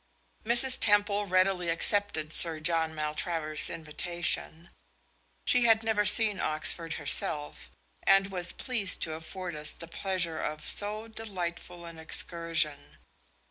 Mrs. Temple readily accepted Sir John Maltravers' invitation. She had never seen Oxford herself, and was pleased to afford us the pleasure of so delightful an excursion.